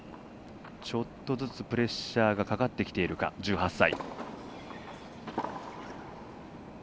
ちょっとずつプレッシャーかかってきているか、１８歳。